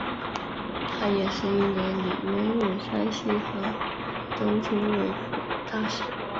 大业十一年李渊任山西河东郡慰抚大使。